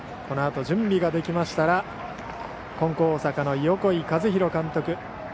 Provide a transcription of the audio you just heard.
このあと準備ができましたら金光大阪の横井一裕監督